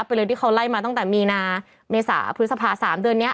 เป็นเรื่องที่เขาไล่มาตั้งแต่มีนาเมษาพฤษภา๓เดือนนี้